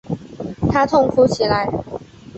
他痛哭起来